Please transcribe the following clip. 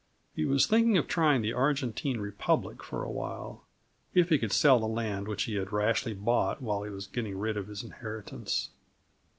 He was thinking of trying the Argentine Republic for awhile, if he could sell the land which he had rashly bought while he was getting rid of his inheritance.